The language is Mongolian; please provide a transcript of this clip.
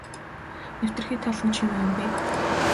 Нэвтэрхий толь нь ч юу юм бэ.